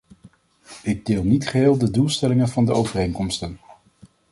Ik deel niet geheel de doelstellingen van de overeenkomsten.